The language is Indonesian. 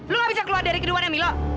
lo gak bisa keluar dari kedua duanya milo